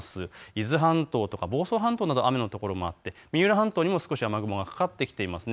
伊豆半島や房総半島など雨の所もあって、三浦半島にも少し雨雲がかかってきています。